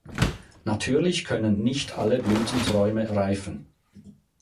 Natürlich können nicht alle Blütenträume reifen.